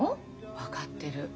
分かってる。